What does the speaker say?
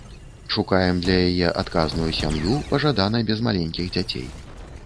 Шукаем для яе адказную сям'ю, пажадана без маленькіх дзяцей.